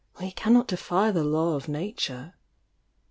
We cannot defy the law of Nature."